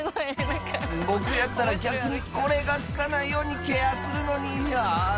僕やったら逆にこれが付かないようにケアするのにあぁ